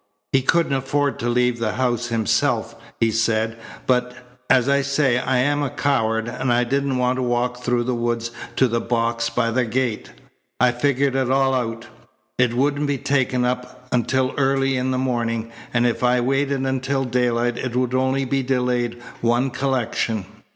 He couldn't afford to leave the house himself, he said. But, as I say, I'm a coward, and I didn't want to walk through the woods to the box by the gate. I figured it all out. It wouldn't be taken up until early in the morning, and if I waited until daylight it would only be delayed one collection.